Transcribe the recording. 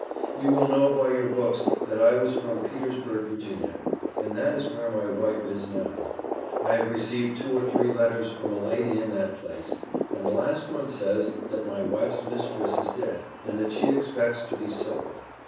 You will know by your books that I was from Petersburg, Va., and that is where my wife now is. I have received two or three letters from a lady in that place, and the last one says, that my wife's mistress is dead, and that she expects to be sold.